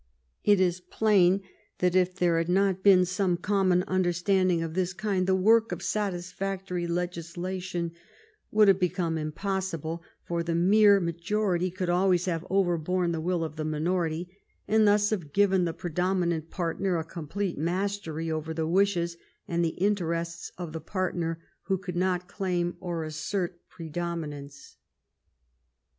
It is plain that if there had not been some common understanding of this kind the work of satis factory legislation would have become impossible, for the mere majority could always have overborne the will of the minority, and thus have given the pre dominant partner a complete mastery over the wishes and the interests of the partner who could not claim or assert predominance.